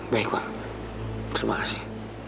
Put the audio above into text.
baik pak terima kasih